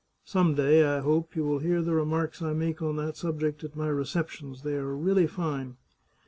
Some day, I hope, you will hear the remarks I make on that subject at my receptions ; they are really fine